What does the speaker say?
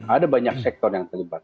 ada banyak sektor yang terlibat